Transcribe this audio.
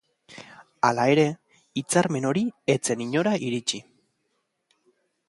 Hala ere, hitzarmen hori ez zen inora iritsi.